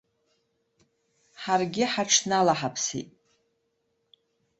Ҳаргьы ҳаҽналаҳаԥсеит.